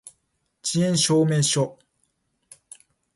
遅延証明書